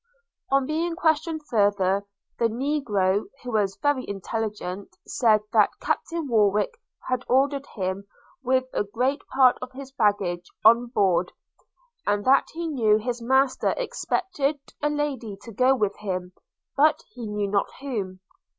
On being questioned farther, the negro, who was very intelligent, said, that Captain Warwick had ordered him, with a great part of his baggage, on board; and that he knew his master expected a lady to go with him – but he knew not whom.